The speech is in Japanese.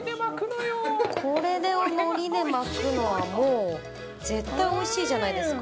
これを海苔で巻くのはもう絶対おいしいじゃないですか。